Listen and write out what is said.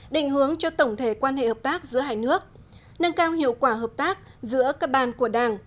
định hướng cho tổng thể quan hệ hợp tác giữa hai nước nâng cao hiệu quả hợp tác giữa các ban của đảng